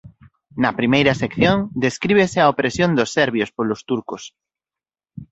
Na primeira sección descríbese a opresión dos serbios polos turcos.